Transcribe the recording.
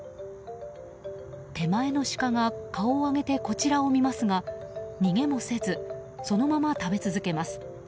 手前のシカが顔を上げてこちらを見ますが逃げもせずそのまま食べ続けます。